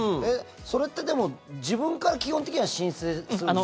それってでも自分から基本的には申請するんですか？